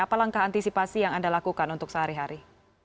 apa langkah antisipasi yang anda lakukan untuk sehari hari